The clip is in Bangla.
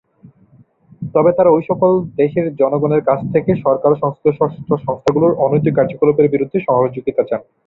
তবে তারা ঐ সকল দেশের জনগণের কাছ থেকে সরকার ও সংশ্লিষ্ট সংস্থাগুলোর অনৈতিক কার্যকলাপের বিরুদ্ধে সহযোগিতা চান।